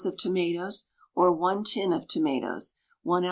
of tomatoes (or 1 tin of tomatoes), 1 oz.